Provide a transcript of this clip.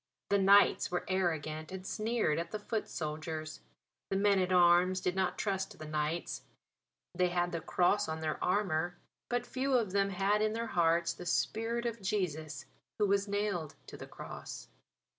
The knights were arrogant and sneered at the foot soldiers; the men at arms did not trust the knights. They had the Cross on their armour; but few of them had in their hearts the spirit of Jesus who was nailed to the Cross.